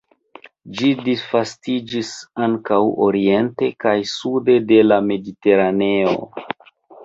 Ĝi disvastiĝis ankaŭ oriente kaj sude de la Mediteraneo.